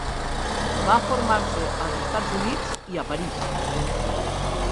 Va formar-se als Estats Units i a París.